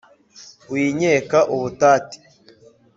winkeka ubutati